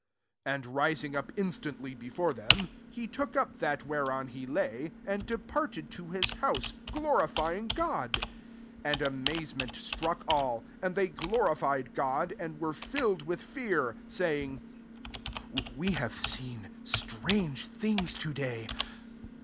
" 9^ Ajik rising up instantly before thea^ he took up that whereon he lay^ and departed to hia house, gift * fying God. S6 And amazeoMi^ struck ail, and they glorified Gk>d, and were fitted with faaiv saying, <* We have seen strange things to day."